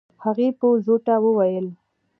هغې په زوټه وويل.